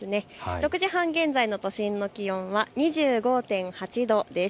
６時半現在の都心の気温は２５．８度です。